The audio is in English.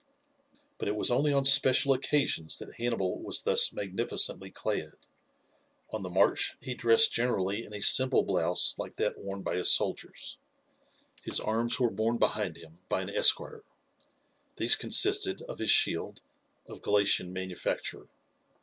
But it was only on special occasions that Hannibal was thus magnificently clad. On the march he dressed generally in a simple blouse like that worn by his soldiers. His arms were borne behind him by an esquire. These consisted of his shield, of Galatian manufacture.